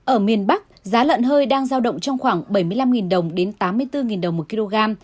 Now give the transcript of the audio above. ở miền bắc giá lợn hơi đang giao động trong khoảng bảy mươi năm đồng đến tám mươi bốn đồng một kg